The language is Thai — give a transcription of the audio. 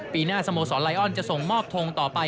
ปีหน้าสโมสรไลออนจะส่งมอบทงต่อไป